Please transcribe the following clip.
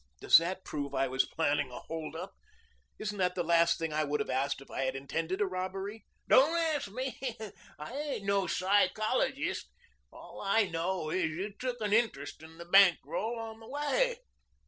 "Does that prove I was planning a hold up? Isn't that the last thing I would have asked if I had intended robbery?" "Don't ask me. I ain't no psychologist. All I know is you took an interest in the bank roll on the way."